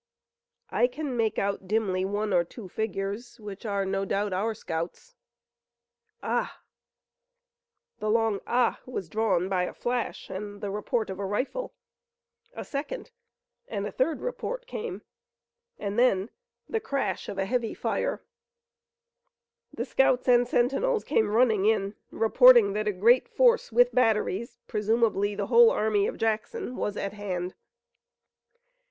"I can make out dimly one or two figures, which no doubt are our scouts. Ah h!" The long "Ah h!" was drawn by a flash and the report of a rifle. A second and a third report came, and then the crash of a heavy fire. The scouts and sentinels came running in, reporting that a great force with batteries, presumably the whole army of Jackson, was at hand.